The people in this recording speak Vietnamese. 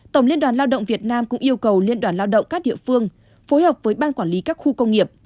tổng liên đoàn lao động việt nam cũng yêu cầu liên đoàn lao động các địa phương phối hợp với ban quản lý các khu công nghiệp